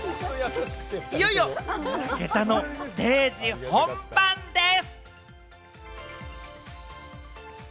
いよいよ、武田のステージ本番です。